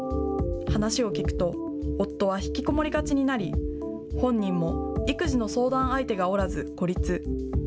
話を聞くと夫は引きこもりがちになり本人も育児の相談相手がおらず孤立。